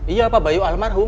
iya pak bayu almarhum